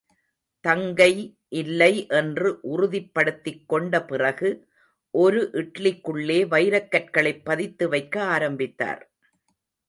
தங்கை இல்லை என்று உறுதிப்படுத்திக்கொண்ட பிறகு, ஒரு இட்லிக்குள்ளே வைரக்கற்களைப் பதித்து வைக்க ஆரம்பித்தார்.